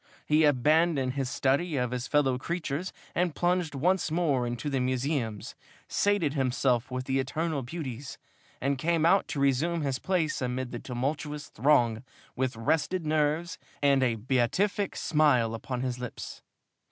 He abandoned this study of his fellow creatures and plunged once more into the museums, sated himself with the eternal beauties, and came out to resume his place amid the tumultuous throng with rested nerves and a beatific smile upon his lips.